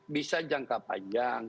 bisa jangka panjang